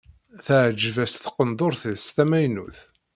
Teɛjeb-as tqendurt-is tamaynut.